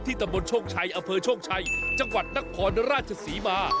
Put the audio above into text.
ที่ตำบลชกชัยอเภอชกชัยจังหวัดหนักพลระราชศรีมา